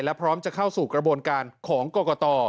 และพร้อมจะเข้าสู่กระบวนการของกรกต